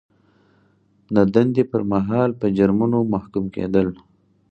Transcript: د دندې پر مهال په جرمونو محکوم کیدل.